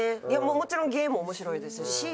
もちろん芸も面白いですし。